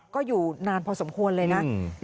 ก็อยู่นานพอสมควรเลยนะ